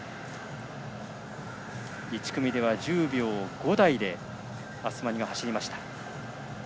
１組では１０秒５台でアスマニが走りました。